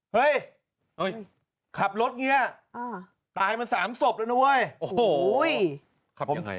เฮ้ยขับรถเนี้ยอ่าตายมันสามศพแล้วนะเว้ยโอ้โหขับยังไง